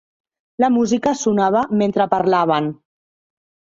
La música sonava mentre parlaven.